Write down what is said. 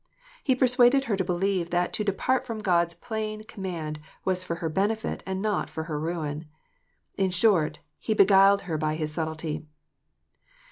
He persuaded her to believe that to depart from God s plain com mand was for her benefit and not for her ruin. In short, " he beguiled her by his subtilty."